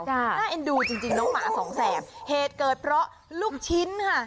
น่าเอ็นดูจริงจริงน้องหมาสองแสบเหตุเกิดเพราะลูกชิ้นค่ะ